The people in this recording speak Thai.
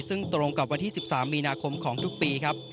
ซึ่งตรงกับวันที่๑๓มีนาคมของทุกปีครับ